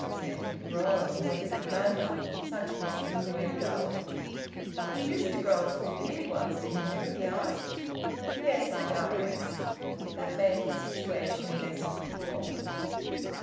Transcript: `Let it grow! What does it matter?' Such was the innuendo. "You used to grow a full beard once, didn't you?" he asked. "Yes," said Darius. That made the situation less cruel.